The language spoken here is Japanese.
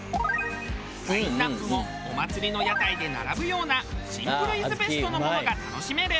ラインアップもお祭りの屋台で並ぶようなシンプルイズベストのものが楽しめる。